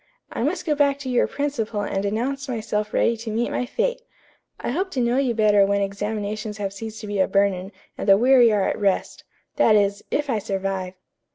I must go back to your principal and announce myself ready to meet my fate. I hope to know you better when examinations have ceased to be a burden and the weary are at rest. That is, if I survive."